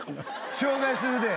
紹介するで！